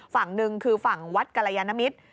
ฝั่งหนึ่งคือฝั่งวัดกรยานมิตร